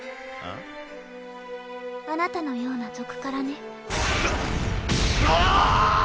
ああなたのような賊からねなっ